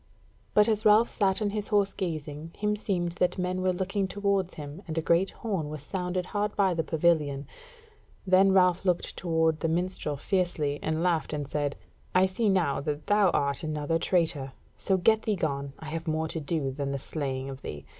But as Ralph sat on his horse gazing, himseemed that men were looking towards him, and a great horn was sounded hard by the pavilion; then Ralph looked toward the minstrel fiercely, and laughed and said: "I see now that thou art another traitor: so get thee gone; I have more to do than the slaying of thee."